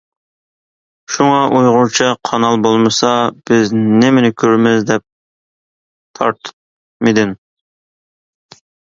شۇڭا «ئۇيغۇرچە قانال بولمىسا، بىز نېمىنى كۆرىمىز» دەپ تارتمىدىم.